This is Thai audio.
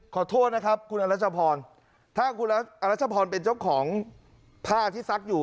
ขอโทษนะครับคุณอรัชพรถ้าคุณอรัชพรเป็นเจ้าของผ้าที่ซักอยู่